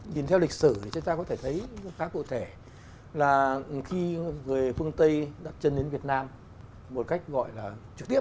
nhìn theo lịch sử thì chúng ta có thể thấy khá cụ thể là khi người phương tây đặt chân đến việt nam một cách gọi là trực tiếp